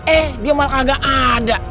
eh dia malah agak ada